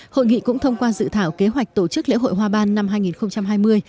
hội nghị cũng thông qua dự thảo kế hoạch tổ chức lễ hội hoa ban năm hai nghìn hai mươi